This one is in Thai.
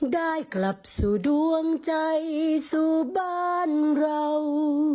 ได้กลับสู่ดวงใจสู่บ้านเรา